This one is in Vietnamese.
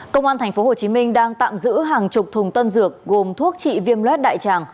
công an tp hcm đang tạm giữ hàng chục thùng tân dược gồm thuốc trị viêm luet đại tràng